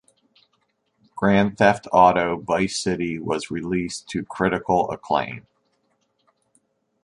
"Grand Theft Auto: Vice City" was released to critical acclaim.